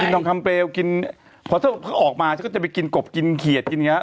กินทองคำเปลวเพราะถ้าเขาออกมาก็จะไปกินกบกินเขียดกินอย่างเงี้ย